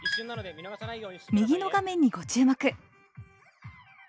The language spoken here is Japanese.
右の画面にご注目。